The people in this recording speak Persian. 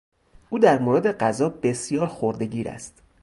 او در مورد غذا بسیار خردهگیر است.